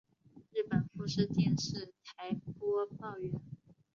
日本富士电视台播报员。